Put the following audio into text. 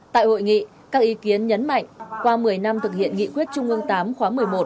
tại hội nghị các ý kiến nhấn mạnh qua một mươi năm thực hiện nghị quyết trung ương viii khóa một mươi một